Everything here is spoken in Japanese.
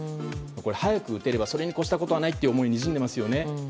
早く打てればそれに越したことはないという思いがにじんでいますよね。